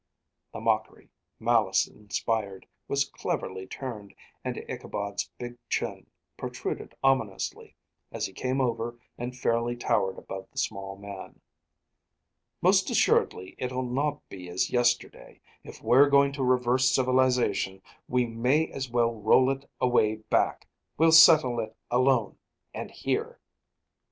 The mockery, malice inspired, was cleverly turned, and Ichabod's big chin protruded ominously, as he came over and fairly towered above the small man. "Most assuredly it'll not be as yesterday. If we're going to reverse civilization, we may as well roll it away back. We'll settle it alone, and here."